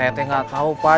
saya tuh gak tau pak